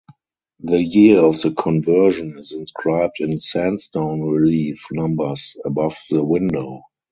The year of the conversion is inscribed in sandstone relief numbers above the window.